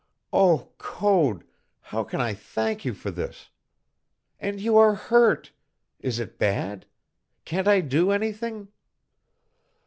Oh, Code, how can I thank you for this? And you are hurt! Is it bad? Can't I do anything?"